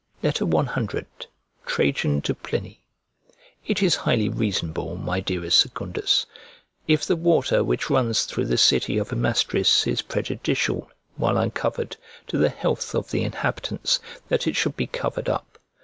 C TRAJAN TO PLINY IT IS highly reasonable, my dearest Secundus, if the water which runs through the city of Amastris is prejudicial, while uncovered, to the health of the inhabitants, that it should be covered up.